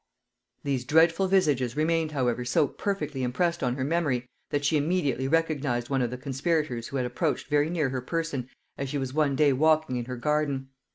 These dreadful visages remained however so perfectly impressed on her memory, that she immediately recognised one of the conspirators who had approached very near her person as she was one day walking in her garden.